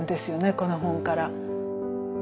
この本から。